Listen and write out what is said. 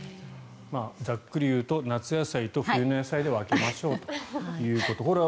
ざっくりいうと夏野菜と冬の野菜で分けましょうというところ。